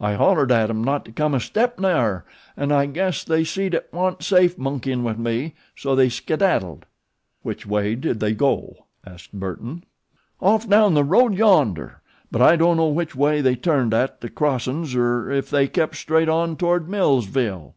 I hollered at 'em not to come a step nigher 'n' I guess they seed it wa'n't safe monkeyin' with me; so they skidaddled." "Which way did they go?" asked Burton. "Off down the road yonder; but I don't know which way they turned at the crossin's, er ef they kept straight on toward Millsville."